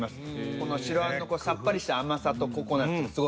この白あんのさっぱりした甘さとココナッツがすごい合う。